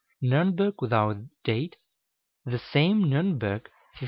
Nürnberg, without date; the same, Nürnberg, 1515.